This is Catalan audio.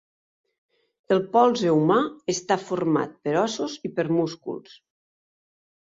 El polze humà està format per ossos i per músculs.